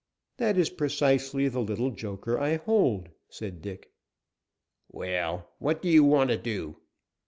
"That is precisely the little joker I hold," said Dick. "Well, what do you want to do?"